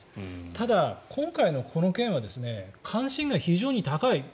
ただ、今回のこの件は関心が非常に高い。